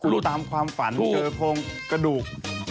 ดูตามความฝันเจอโครงกระดูก